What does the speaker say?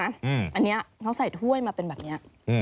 อันนี้เขาใส่ถ้วยมาเป็นแบบนี้